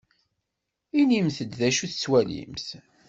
Inimt-d d acu tettwalimt.